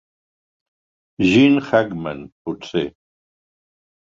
Gene Hackman, potser.